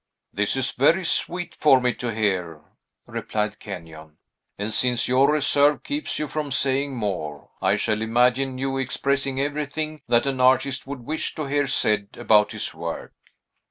"This is very sweet for me to hear," replied Kenyon; "and since your reserve keeps you from saying more, I shall imagine you expressing everything that an artist would wish to hear said about his work."